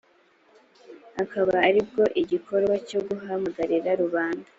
akaba ari bwo igikorwa cyo guhamagarira rubanda